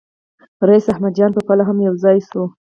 رییس احمد جان پوپل هم یو ځای شو.